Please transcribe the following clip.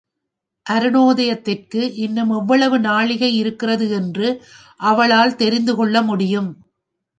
அருணோதயத்திற்கு இன்னும் எவ்வளவு நாழிகை இருக்கிறது என்று அவளால் தெரிந்து கொள்ளமுடியும்.